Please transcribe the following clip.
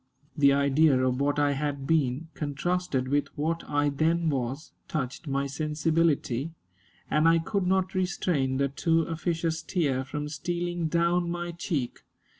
The idea of what I had been, contrasted with what I then was, touched my sensibility, and I could not restrain the too officious tear from stealing down my cheek.